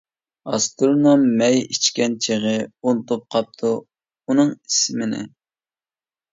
ئاسترونوم مەي ئىچكەن چېغى، ئۇنتۇپ قاپتۇ ئۇنىڭ ئىسمىنى.